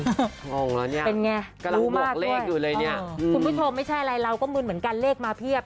งงแล้วเนี่ยรู้มากด้วยคุณผู้ชมไม่ใช่อะไรเราก็มืนเหมือนกันเลขมาเพียบ